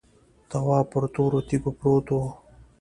تواب پر تورو تیږو پروت و.